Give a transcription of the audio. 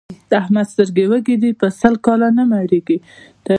د احمد سترګې وږې دي؛ په سل کاله نه مړېږي.